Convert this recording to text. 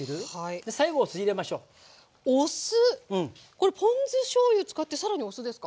これポン酢しょうゆ使って更にお酢ですか？